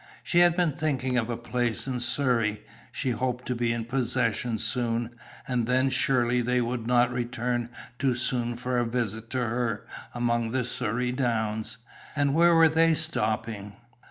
She had been thinking of a place in Surrey; she hoped to be in possession soon, and then surely they would not return too soon for a visit to her among the Surrey Downs? And where were they stopping?